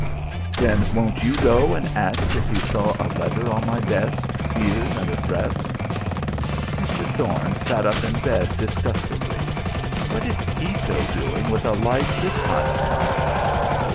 "Then won't you go and ask if he saw a letter on my desk, sealed and addressed?" Mr. Thorne sat up in bed disgustedly. "What is Ito doing with a light this time of night?"